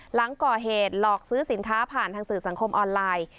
หลังก่อเหตุหลอกซื้อสินค้าผ่านทางสื่อสังคมออนไลน์